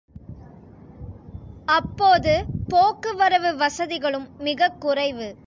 அப்போது போக்குவரவு வசதிகளும் மிகக் குறைவு.